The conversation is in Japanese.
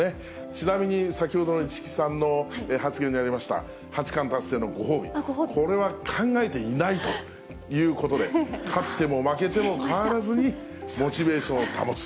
ちなみに先ほどの市來さんの発言にありました、八冠達成のご褒美、これは考えていないということで、勝っても負けても変わらずに、モチベーションを保つ。